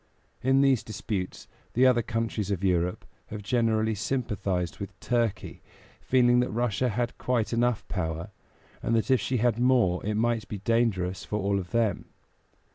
In these disputes the other countries of Europe have generally sympathized with Turkey, feeling that Russia had quite enough power, and that if she had more it might be dangerous for all of them.